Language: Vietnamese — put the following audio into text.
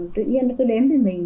tự nhiên nó cứ đến với mình